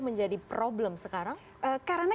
menjadi problem sekarang